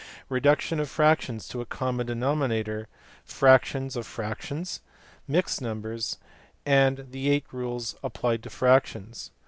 Reduction of fractions to a common denominator, fractions of fractions, mixed numbers, and the eight rules applied to fractions.